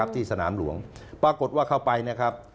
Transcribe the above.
ที่สนามหลวงปรากฏว่าเข้าไปนะครับ